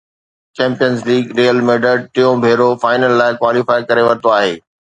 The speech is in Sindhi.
چيمپئنز ليگ ريئل ميڊرڊ ٽيون ڀيرو فائنل لاءِ ڪواليفائي ڪري ورتو آهي